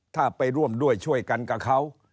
ถ้าไปร่วมด้วยช่วยกันกับเขา